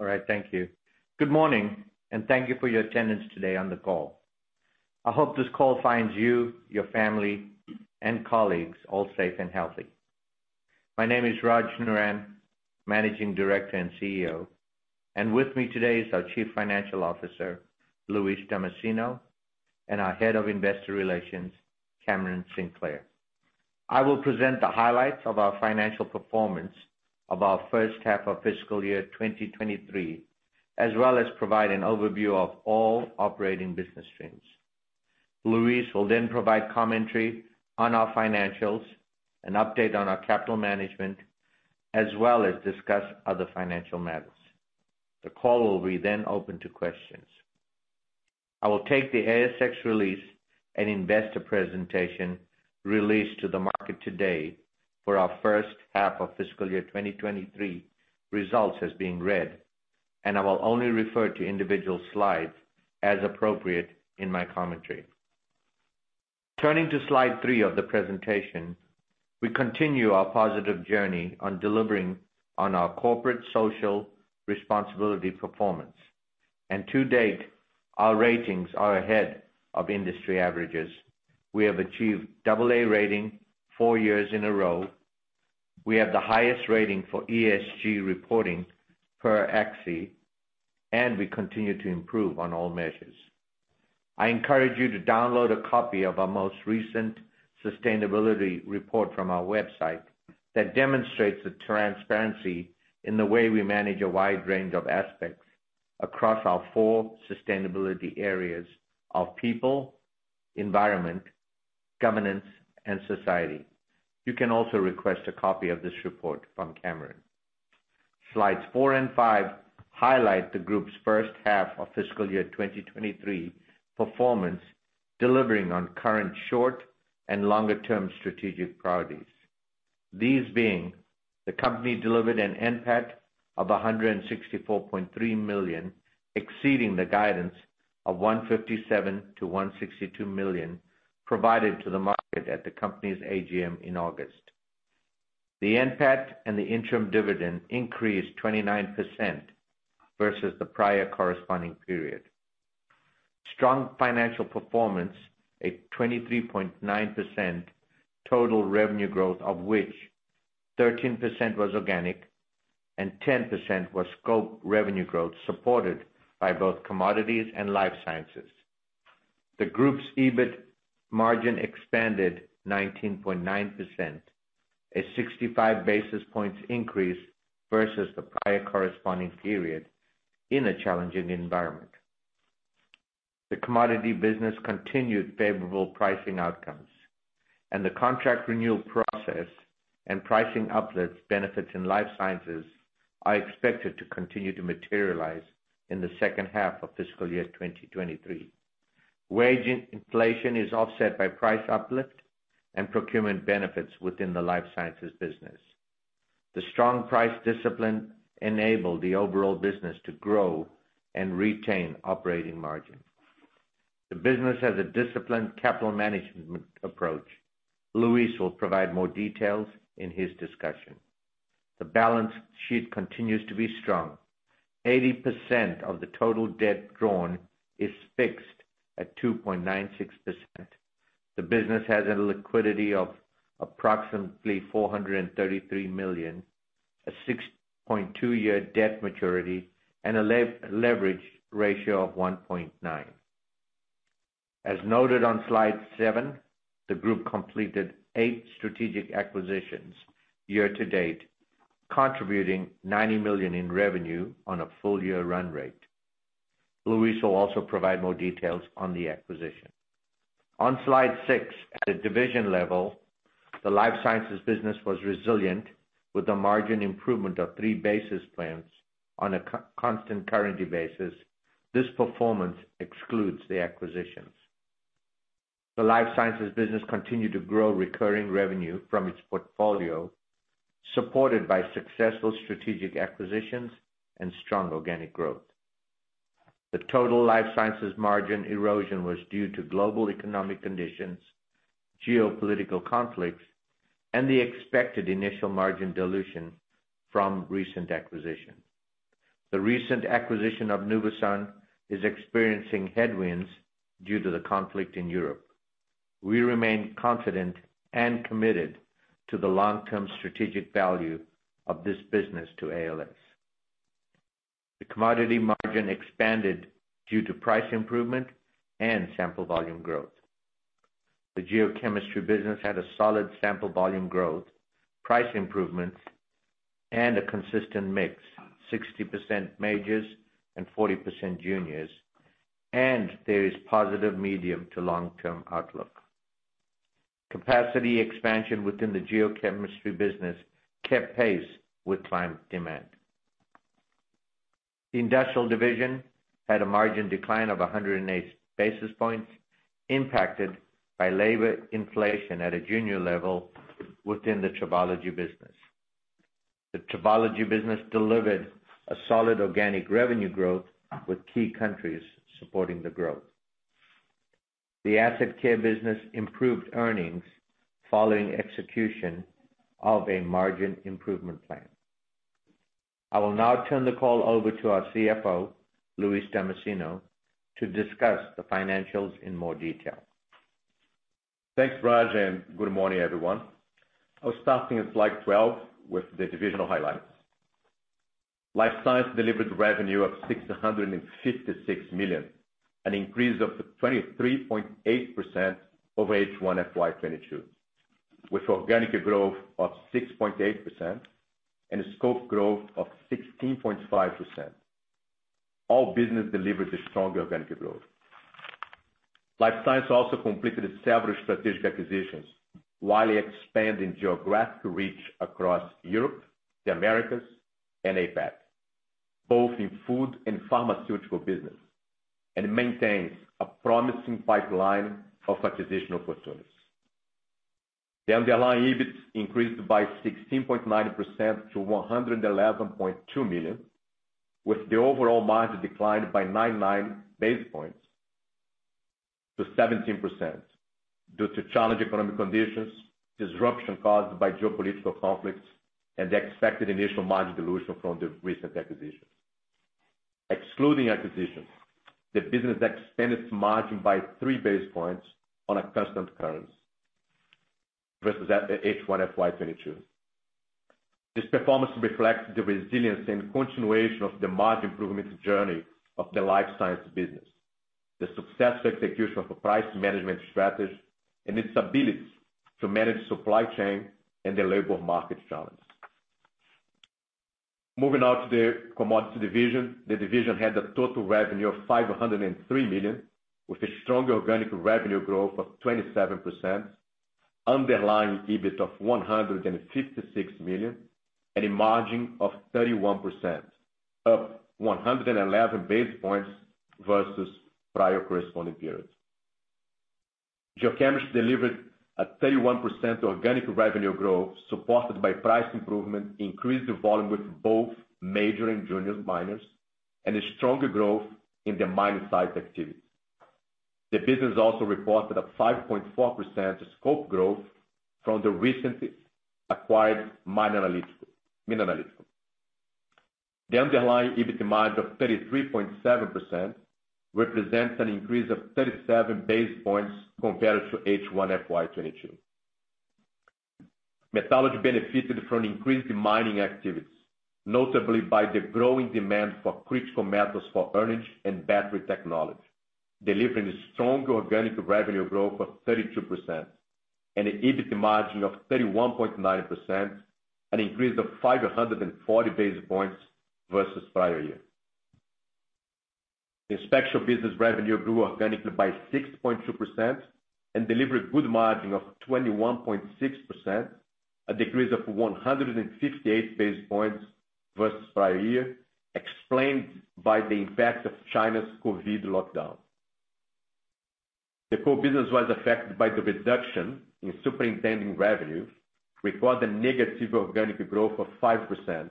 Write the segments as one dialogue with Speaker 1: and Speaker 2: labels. Speaker 1: All right, thank you. Good morning, and thank you for your attendance today on the call. I hope this call finds you, your family, and colleagues all safe and healthy. My name is Raj Naran, Managing Director and CEO, and with me today is our Chief Financial Officer, Luis Damasceno, and our Head of Investor Relations, Cameron Sinclair. I will present the highlights of our financial performance of our first half of fiscal year 2023, as well as provide an overview of all operating business streams. Luis will then provide commentary on our financials and update on our capital management, as well as discuss other financial matters. The call will be then open to questions. I will take the ASX release and investor presentation released to the market today for our first half of fiscal year 2023 results as being read, and I will only refer to individual slides as appropriate in my commentary. Turning to slide three of the presentation, we continue our positive journey on delivering on our corporate social responsibility performance. To date, our ratings are ahead of industry averages. We have achieved AA rating four years in a row. We have the highest rating for ESG reporting per EXI, and we continue to improve on all measures. I encourage you to download a copy of our most recent sustainability report from our website that demonstrates the transparency in the way we manage a wide range of aspects across our four sustainability areas of people, environment, governance, and society. You can also request a copy of this report from Cameron. Slides four and five highlight the group's first half of fiscal year 2023 performance, delivering on current short and longer-term strategic priorities. These being the company delivered an NPAT of 164.3 million, exceeding the guidance of 157 million-162 million provided to the market at the company's AGM in August. The NPAT and the interim dividend increased 29% versus the prior corresponding period. Strong financial performance, a 23.9% total revenue growth of which 13% was organic and 10% was scope revenue growth supported by both commodities and life sciences. The group's EBIT margin expanded 19.9%, a 65 basis points increase versus the prior corresponding period in a challenging environment. The commodity business continued favorable pricing outcomes. The contract renewal process and pricing uplifts benefits in Life Sciences are expected to continue to materialize in the second half of fiscal year 2023. Wage inflation is offset by price uplift and procurement benefits within the Life Sciences business. The strong price discipline enable the overall business to grow and retain operating margin. The business has a disciplined capital management approach. Luis will provide more details in his discussion. The balance sheet continues to be strong. 80% of the total debt drawn is fixed at 2.96%. The business has a liquidity of approximately 433 million, a 6.2-year debt maturity, and a leverage ratio of 1.9. As noted on slide seven, the group completed eight strategic acquisitions year to date, contributing 90 million in revenue on a full year run rate. Luis will also provide more details on the acquisition. On slide six, at a division level, the Life Sciences business was resilient with a margin improvement of 3 basis points on a constant currency basis. This performance excludes the acquisitions. The Life Sciences business continued to grow recurring revenue from its portfolio, supported by successful strategic acquisitions and strong organic growth. The total Life Sciences margin erosion was due to global economic conditions, geopolitical conflicts, and the expected initial margin dilution from recent acquisitions. The recent acquisition of Nuvisan is experiencing headwinds due to the conflict in Europe. We remain confident and committed to the long-term strategic value of this business to ALS. The commodity margin expanded due to price improvement and sample volume growth. The geochemistry business had a solid sample volume growth, price improvements, and a consistent mix, 60% majors and 40% juniors, and there is positive medium to long-term outlook. Capacity expansion within the geochemistry business kept pace with client demand. The industrial division had a margin decline of 108 basis points impacted by labor inflation at a junior level within the tribology business. The tribology business delivered a solid organic revenue growth with key countries supporting the growth. The Asset Care business improved earnings following execution of a margin improvement plan. I will now turn the call over to our CFO, Luis Damasceno, to discuss the financials in more detail.
Speaker 2: Thanks, Raj, and good morning, everyone. I was starting at slide 12 with the divisional highlights. Life Sciences delivered revenue of 656 million, an increase of 23.8% over H1 FY 2022, with organic growth of 6.8% and a scope growth of 16.5%. All business delivered a strong organic growth. Life Sciences also completed several strategic acquisitions while expanding geographic reach across Europe, the Americas, and APAC, both in food and pharmaceutical business, and maintains a promising pipeline of acquisition opportunities. The underlying EBIT increased by 16.9% to 111.2 million, with the overall margin declined by 99 basis points to 17% due to challenging economic conditions, disruption caused by geopolitical conflicts, and the expected initial margin dilution from the recent acquisitions. Excluding acquisitions, the business expanded margin by 3 basis points on a constant currency versus the H1 FY 2022. This performance reflects the resilience and continuation of the margin improvement journey of the Life Sciences business, the successful execution of a price management strategy, and its ability to manage supply chain and the labor market challenge. Moving on to the Commodities division. The division had a total revenue of 503 million, with a strong organic revenue growth of 27%, underlying EBIT of 156 million, and a margin of 31%, up 111 basis points versus prior corresponding periods. Geochemistry delivered a 31% organic revenue growth supported by price improvement, increased volume with both major and junior miners, and a stronger growth in the mine site activities. The business also reported a 5.4% scope growth from the recently acquired MinAnalytical, mineralogical. The underlying EBIT margin of 33.7% represents an increase of 37 basis points compared to H1 FY 2022. Metallurgy benefited from increased mining activities, notably by the growing demand for critical minerals for EVs and battery technology, delivering a strong organic revenue growth of 32% and an EBIT margin of 31.9%, an increase of 540 basis points versus prior year. The inspection business revenue grew organically by 6.2% and delivered good margin of 21.6%, a decrease of 158 basis points versus prior year, explained by the impact of China's COVID lockdown. The coal business was affected by the reduction in superintending revenues, recorded a negative organic growth of 5%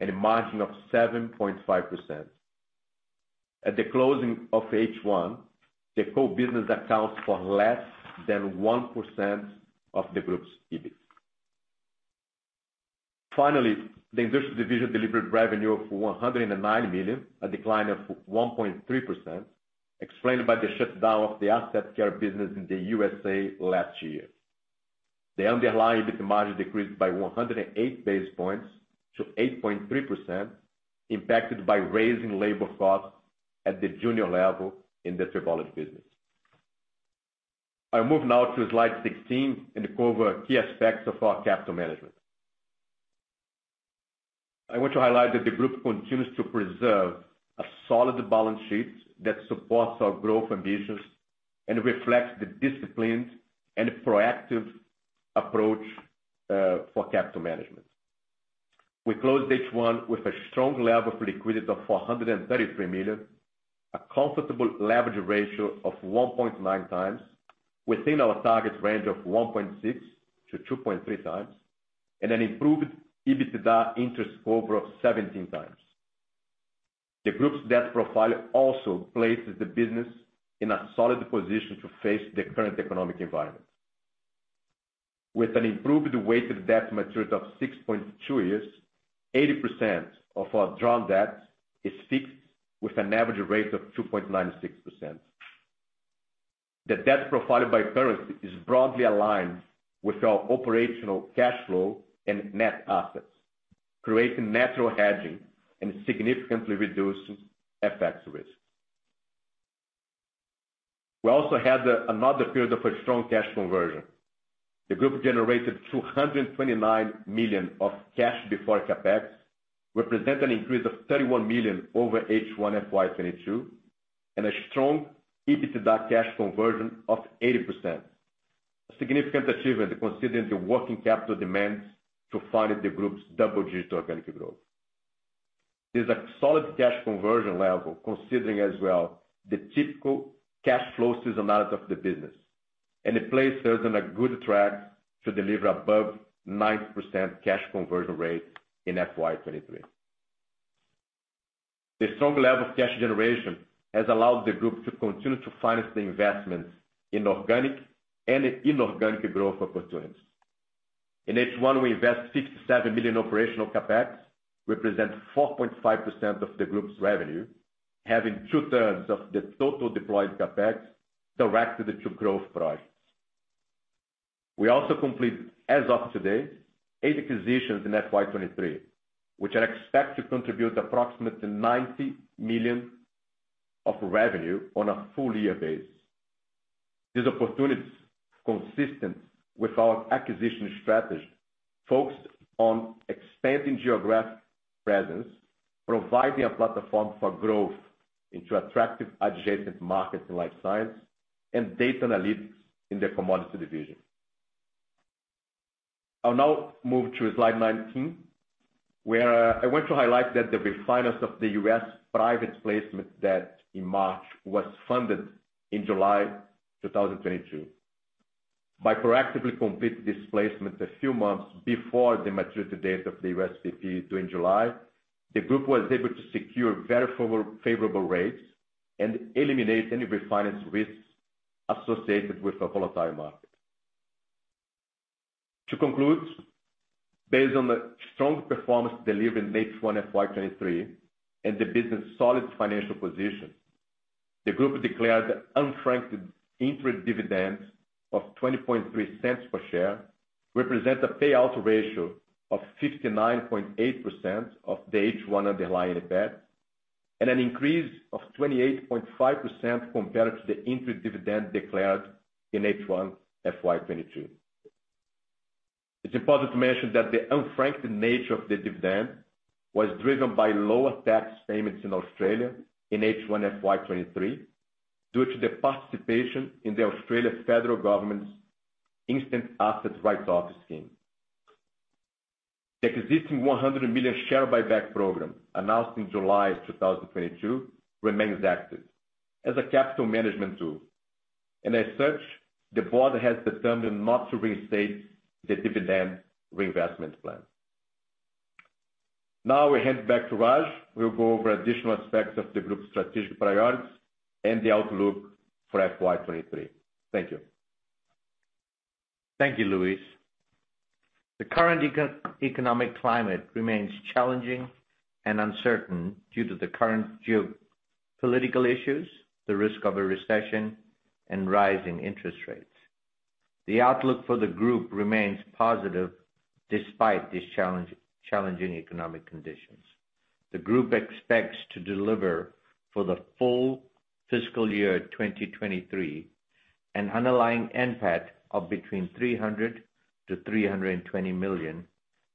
Speaker 2: and a margin of 7.5%. At the closing of H1, the coal business accounts for less than 1% of the group's EBIT. Finally, the industrial division delivered revenue of 109 million, a decline of 1.3%, explained by the shutdown of the Asset Care business in the USA last year. The underlying EBIT margin decreased by 108 basis points to 8.3%, impacted by rising labor costs at the junior level in the tribology business. I'll move now to slide 16 and cover key aspects of our capital management. I want to highlight that the group continues to preserve a solid balance sheet that supports our growth ambitions and reflects the disciplines and proactive approach for capital management. We closed H1 with a strong level of liquidity of 433 million, a comfortable leverage ratio of 1.9x within our target range of 1.6x-2.3x, and an improved EBITDA interest cover of 17x. The group's debt profile also places the business in a solid position to face the current economic environment. With an improved weighted debt maturity of 6.2 years, 80% of our drawn debt is fixed with an average rate of 2.96%. The debt profile by currency is broadly aligned with our operational cash flow and net assets, creating natural hedging and significantly reducing FX risk. We also had another period of a strong cash conversion. The group generated 229 million of cash before CapEx, represent an increase of 31 million over H1 FY 2022, and a strong EBITDA cash conversion of 80%. A significant achievement considering the working capital demands to fund the group's double-digit organic growth. This is a solid cash conversion level considering as well the typical cash flow seasonality of the business, and it places us on a good track to deliver above 90% cash conversion rate in FY 2023. The strong level of cash generation has allowed the group to continue to finance the investments in organic and inorganic growth opportunities. In H1, we invest 57 million operational CapEx, represent 4.5% of the group's revenue, having two-thirds of the total deployed CapEx directed to growth projects. We also complete, as of today, 8 acquisitions in FY 2023, which are expected to contribute approximately 90 million of revenue on a full year basis. These opportunities, consistent with our acquisition strategy, focused on expanding geographic presence, providing a platform for growth into attractive adjacent markets in life science and data analytics in the commodity division. I'll now move to slide 19, where I want to highlight that the refinance of the US private placement debt in March was funded in July 2022. By proactively completing this placement a few months before the maturity date of the USPP due in July, the group was able to secure very favorable rates and eliminate any refinance risks associated with a volatile market. To conclude, based on the strong performance delivered in H1 FY 2023 and the business' solid financial position, the group declared an unfranked interim dividend of 0.203 per share, represent a payout ratio of 59.8% of the H1 underlying NPAT, and an increase of 28.5% compared to the interim dividend declared in H1 FY 2022. It's important to mention that the unfranked nature of the dividend was driven by lower tax payments in Australia in H1 FY 2023 due to the participation in the Australian federal government's instant asset write-off scheme. The existing 100 million share buyback program announced in July 2022 remains active as a capital management tool. As such, the board has determined not to reinstate the dividend reinvestment plan. Now we head back to Raj, who will go over additional aspects of the group's strategic priorities and the outlook for FY 2023. Thank you.
Speaker 1: Thank you, Luis. The current macro-economic climate remains challenging and uncertain due to the current geopolitical issues, the risk of a recession, and rising interest rates. The outlook for the group remains positive despite these challenging economic conditions. The group expects to deliver for the full fiscal year 2023 an underlying NPAT of between 300 million-320 million,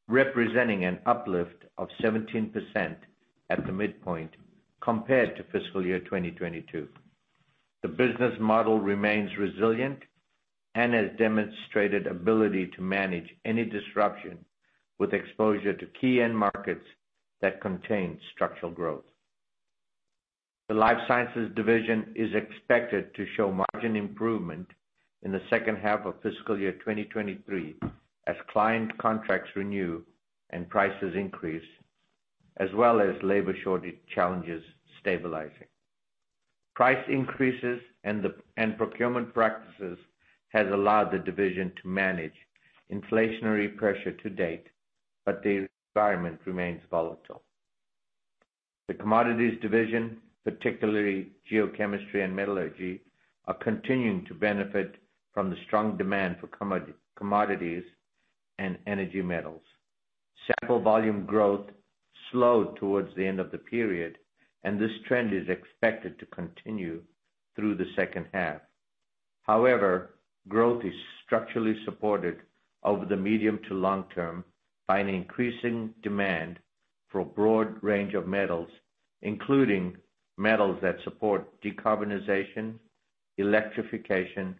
Speaker 1: representing an uplift of 17% at the midpoint compared to fiscal year 2022. The business model remains resilient and has demonstrated ability to manage any disruption with exposure to key end markets that contain structural growth. The Life Sciences Division is expected to show margin improvement in the second half of fiscal year 2023 as client contracts renew and prices increase, as well as labor shortage challenges stabilizing. Price increases and procurement practices has allowed the division to manage inflationary pressure to date, but the environment remains volatile. The Commodities division, particularly geochemistry and metallurgy, are continuing to benefit from the strong demand for commodities and energy metals. Sample volume growth slowed towards the end of the period, and this trend is expected to continue through the second half. However, growth is structurally supported over the medium to long term by an increasing demand for a broad range of metals, including metals that support decarbonization, electrification,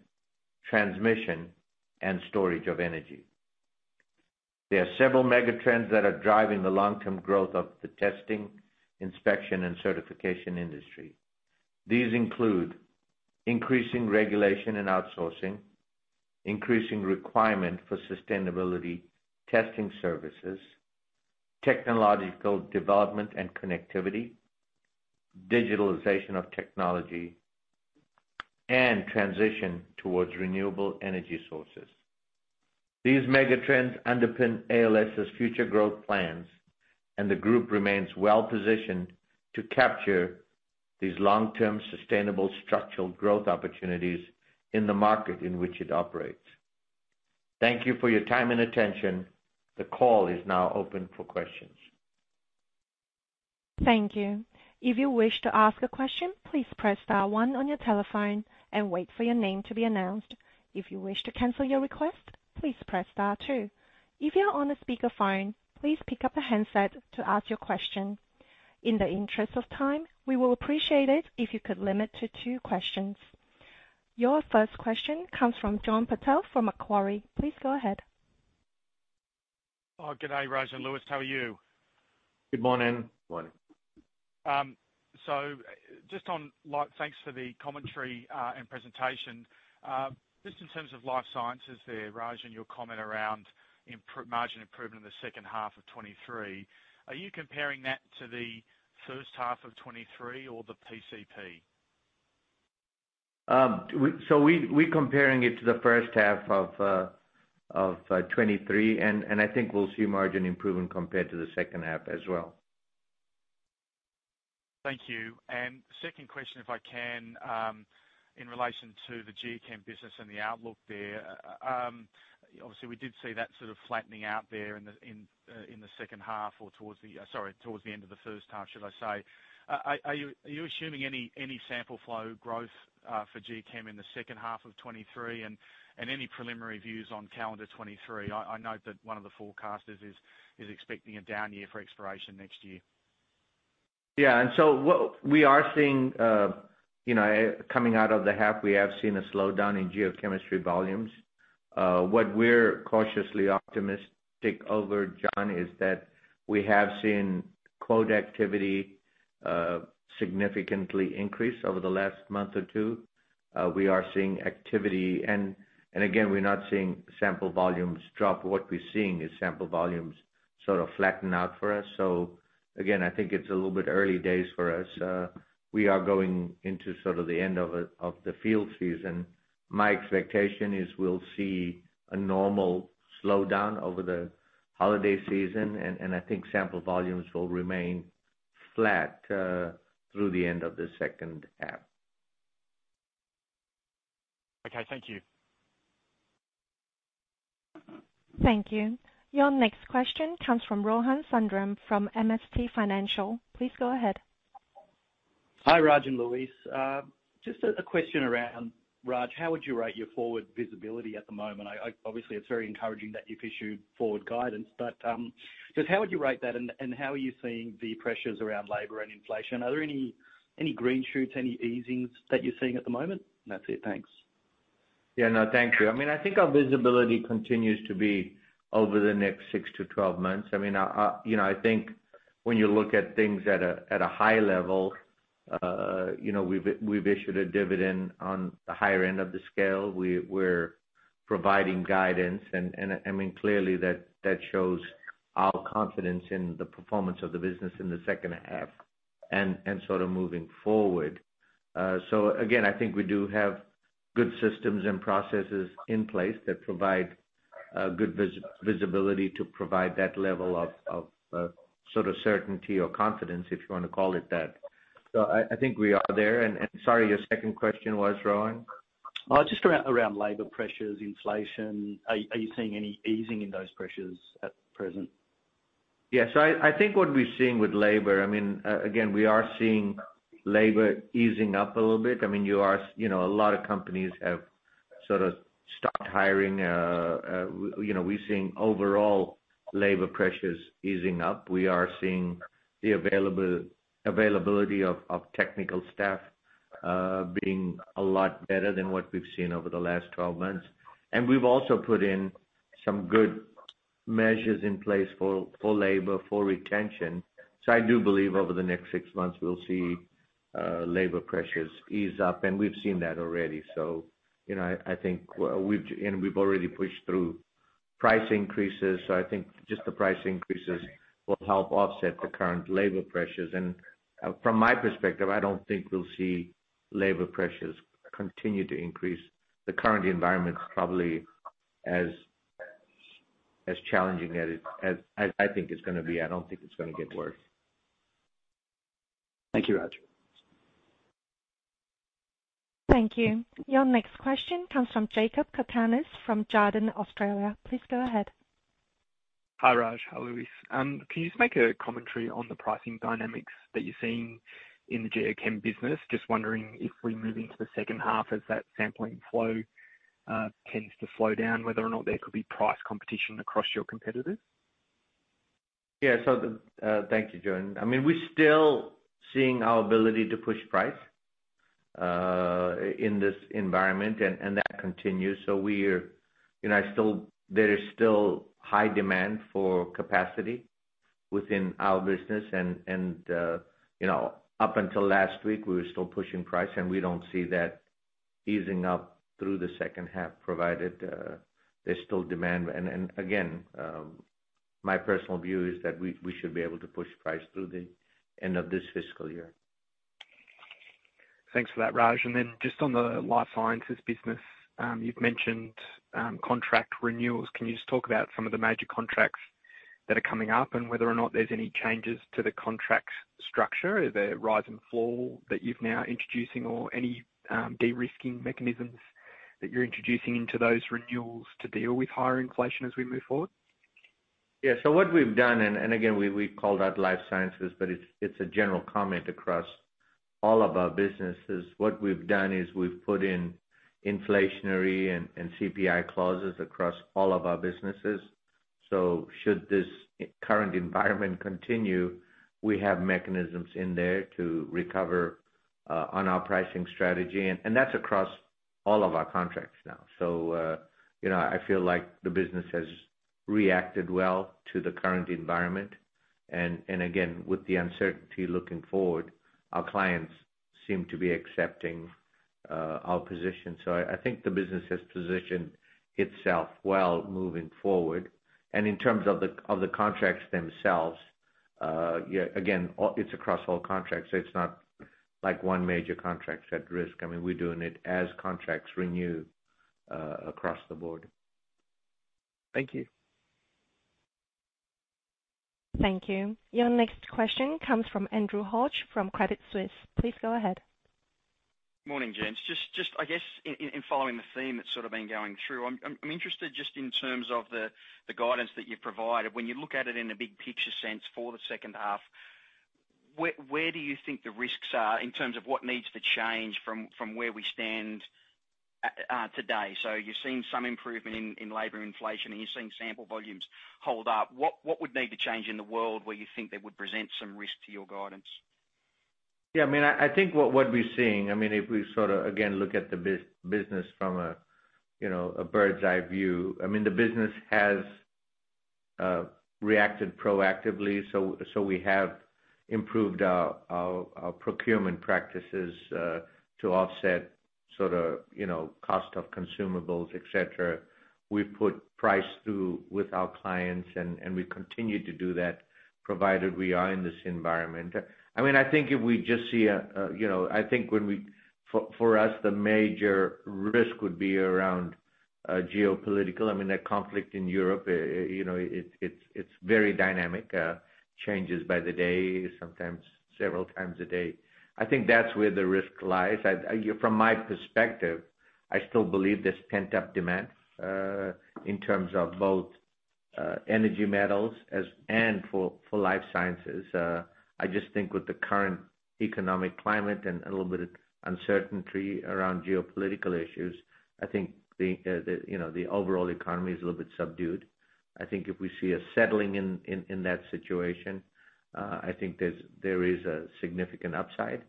Speaker 1: transmission, and storage of energy. There are several megatrends that are driving the long-term growth of the testing, inspection, and certification industry. These include increasing regulation and outsourcing, increasing requirement for sustainability testing services, technological development and connectivity, digitalization of technology, and transition towards renewable energy sources. These megatrends underpin ALS's future growth plans, and the group remains well-positioned to capture these long-term, sustainable structural growth opportunities in the market in which it operates. Thank you for your time and attention. The call is now open for questions.
Speaker 3: Thank you. If you wish to ask a question, please press star one on your telephone and wait for your name to be announced. If you wish to cancel your request, please press star two. If you are on a speaker phone, please pick up a handset to ask your question. In the interest of time, we will appreciate it if you could limit to two questions. Your first question comes from John Purtell from Macquarie. Please go ahead.
Speaker 4: Oh, good day, Raj and Luis. How are you?
Speaker 1: Good morning.
Speaker 2: Morning.
Speaker 4: Just on, like, thanks for the commentary and presentation. Just in terms of Life Sciences there, Raj, and your comment around margin improvement in the second half of 2023, are you comparing that to the first half of 2023 or the PCP?
Speaker 1: We're comparing it to the first half of 2023, and I think we'll see margin improvement compared to the second half as well.
Speaker 4: Thank you. Second question, if I can, in relation to the Geochemistry business and the outlook there. Obviously, we did see that sort of flattening out there in the second half or towards the end of the first half, should I say. Are you assuming any sample flow growth for Geochemistry in the second half of 2023 and any preliminary views on calendar 2023? I know that one of the forecasters is expecting a down year for exploration next year.
Speaker 1: Yeah. What we are seeing coming out of the half, we have seen a slowdown in Geochemistry volumes. What we're cautiously optimistic over, John, is that we have seen core activity significantly increase over the last month or two. We are seeing activity. Again, we're not seeing sample volumes drop. What we're seeing is sample volumes sort of flatten out for us. Again, I think it's a little bit early days for us. We are going into sort of the end of the field season. My expectation is we'll see a normal slowdown over the holiday season, and I think sample volumes will remain flat through the end of the second half.
Speaker 4: Okay. Thank you.
Speaker 3: Thank you. Your next question comes from Rohan Sundram from MST Financial. Please go ahead.
Speaker 5: Hi, Raj and Luis. Just a question around, Raj, how would you rate your forward visibility at the moment? I obviously, it's very encouraging that you've issued forward guidance, but just how would you rate that and how are you seeing the pressures around labor and inflation? Are there any green shoots, any easings that you're seeing at the moment? That's it. Thanks.
Speaker 1: Yeah. No, thank you. I mean, I think our visibility continues to be over the next 6 to 12 months. I mean, you know, I think when you look at things at a high level, we've issued a dividend on the higher end of the scale. We're providing guidance and I mean, clearly that shows our confidence in the performance of the business in the second half and sort of moving forward. So again, I think we do have good systems and processes in place that provide good visibility to provide that level of sort of certainty or confidence, if you wanna call it that. So I think we are there. Sorry, your second question was, Rohan?
Speaker 5: Just around labor pressures, inflation, are you seeing any easing in those pressures at present?
Speaker 1: Yeah. I think what we're seeing with labor, I mean, again, we are seeing labor easing up a little bit. I mean, you know, a lot of companies have sort of stopped hiring. We're seeing overall labor pressures easing up. We are seeing the availability of technical staff being a lot better than what we've seen over the last 12 months. We've also put in some good measures in place for labor retention. I do believe over the next six months we'll see labor pressures ease up, and we've seen that already. You know, I think and we've already pushed through price increases. I think just the price increases will help offset the current labor pressures. From my perspective, I don't think we'll see labor pressures continue to increase. The current environment is probably as challenging as I think it's gonna be. I don't think it's gonna get worse.
Speaker 5: Thank you, Raj.
Speaker 3: Thank you. Your next question comes from Jakob Cakarnis from Jarden Australia. Please go ahead.
Speaker 6: Hi, Raj. Hi, Luis. Can you just make a commentary on the pricing dynamics that you're seeing in the Geochemistry business? Just wondering if we move into the second half as that sampling flow tends to slow down, whether or not there could be price competition across your competitors.
Speaker 1: Thank you, Jakob. I mean, we're still seeing our ability to push price in this environment, and that continues. You know, there is still high demand for capacity within our business and, you know, up until last week, we were still pushing price, and we don't see that easing up through the second half provided there's still demand. Again, my personal view is that we should be able to push price through the end of this fiscal year.
Speaker 6: Thanks for that, Raj. Just on the Life Sciences business, you've mentioned contract renewals. Can you just talk about some of the major contracts that are coming up and whether or not there's any changes to the contract structure? Is there a rise and fall that you've now introducing or any de-risking mechanisms that you're introducing into those renewals to deal with higher inflation as we move forward?
Speaker 1: Yeah. What we've done, and again, we called out Life Sciences, but it's a general comment across all of our businesses. What we've done is we've put in inflationary and CPI clauses across all of our businesses. Should this current environment continue, we have mechanisms in there to recover on our pricing strategy, and that's across all of our contracts now. I feel like the business has reacted well to the current environment. Again, with the uncertainty looking forward, our clients seem to be accepting our position. I think the business has positioned itself well moving forward. In terms of the contracts themselves, yeah, again, it's across all contracts. It's not like one major contract's at risk. I mean, we're doing it as contracts renew across the board.
Speaker 6: Thank you.
Speaker 3: Thank you. Your next question comes from Andrew Hodge from Credit Suisse. Please go ahead.
Speaker 7: Morning, Raj. Just I guess in following the theme that's sort of been going through. I'm interested just in terms of the guidance that you've provided. When you look at it in a big picture sense for the second half, where do you think the risks are in terms of what needs to change from where we stand today? You're seeing some improvement in labor inflation, and you're seeing sample volumes hold up. What would need to change in the world where you think that would present some risk to your guidance?
Speaker 1: I mean, I think what we're seeing, I mean, if we sort of again look at the business from a, you know, bird's-eye view. I mean, the business has reacted proactively. We have improved our procurement practices to offset sort of, cost of consumables, etc. We've put price through with our clients, and we continue to do that provided we are in this environment. I mean, I think if we just see a you know. For us, the major risk would be around geopolitical. I mean, that conflict in Europe, you know, it's very dynamic, changes by the day, sometimes several times a day. I think that's where the risk lies. From my perspective, I still believe there's pent-up demand in terms of both energy metals and life sciences. I just think with the current economic climate and a little bit of uncertainty around geopolitical issues, I think, you know, the overall economy is a little bit subdued. I think if we see a settling in that situation, I think there is a significant upside.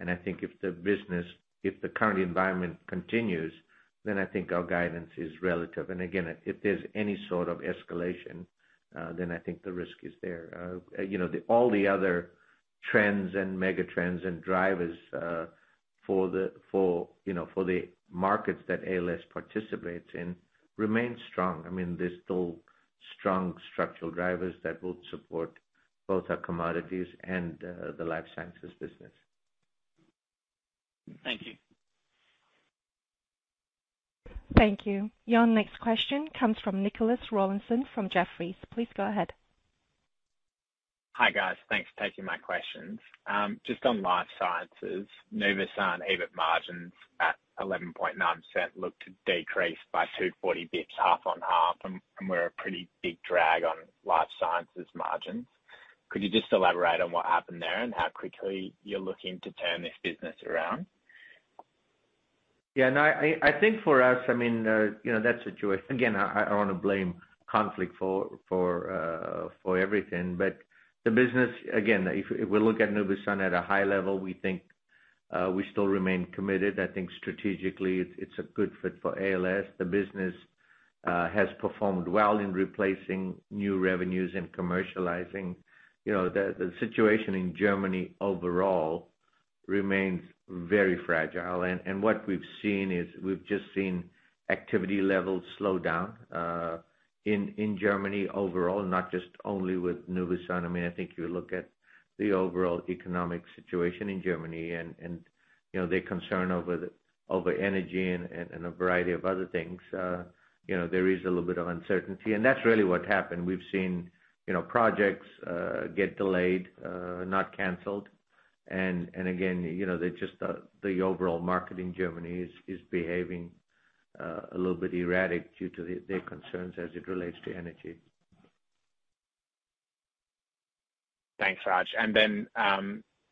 Speaker 1: I think if the current environment continues, then I think our guidance is relative. Again, if there's any sort of escalation, then I think the risk is there. All the other trends and megatrends and drivers for, you know, the markets that ALS participates in remain strong. I mean, there's still strong structural drivers that will support both our commodities and the Life Sciences business.
Speaker 7: Thank you.
Speaker 3: Thank you. Your next question comes from Nicholas Robinson from Jefferies. Please go ahead.
Speaker 8: Hi, guys. Thanks for taking my questions. Just on Life Sciences, Nuvisan EBIT margins at 11.9% look to decrease by 240 basis points half-on-half and it was a pretty big drag on Life Sciences margins. Could you just elaborate on what happened there and how quickly you're looking to turn this business around?
Speaker 1: Yeah. No, I think for us, I mean that's a choice. Again, I don't wanna blame conflict for everything. The business, again, if we look at Nuvisan at a high level, we think we still remain committed. I think strategically it's a good fit for ALS. The business has performed well in replacing new revenues and commercializing. The situation in Germany overall remains very fragile. And what we've seen is we've just seen activity levels slow down in Germany overall, not just only with Nuvisan. I mean, I think you look at the overall economic situation in Germany and you know, their concern over energy and a variety of other things. There is a little bit of uncertainty, and that's really what happened. We've seen, you know, projects get delayed, not canceled. Again, you know, they're just the overall market in Germany is behaving a little bit erratic due to their concerns as it relates to energy.
Speaker 8: Thanks, Raj.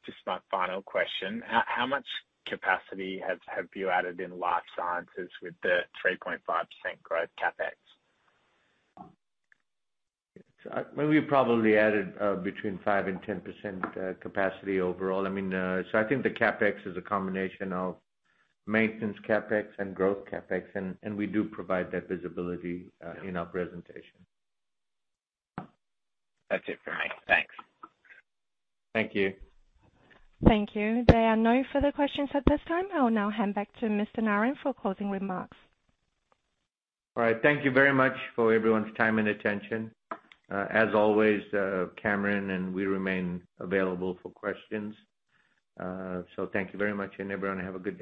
Speaker 8: Just my final question. How much capacity have you added in Life Sciences with the 3.5% growth CapEx?
Speaker 1: Well, we probably added between 5% and 10% capacity overall. I mean, I think the CapEx is a combination of maintenance CapEx and growth CapEx, and we do provide that visibility in our presentation.
Speaker 8: That's it for me. Thanks.
Speaker 1: Thank you.
Speaker 3: Thank you. There are no further questions at this time. I will now hand back to Mr. Naran for closing remarks.
Speaker 1: All right. Thank you very much for everyone's time and attention. As always, Cameron and we remain available for questions. Thank you very much, and everyone have a good day.